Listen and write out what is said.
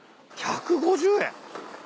１５０円。